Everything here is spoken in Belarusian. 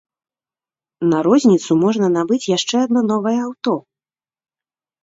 На розніцу можна набыць яшчэ адно новае аўто!